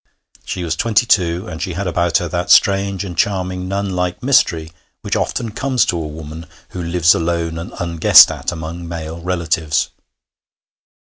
She was twenty two, and she had about her that strange and charming nunlike mystery which often comes to a woman who lives alone and unguessed at among male relatives.